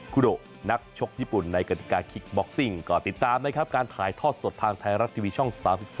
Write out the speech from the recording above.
ขายทอดสดทางไทยรัตน์ทีวีช่อง๓๒